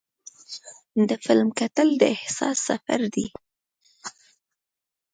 د فلم کتل د احساس سفر دی.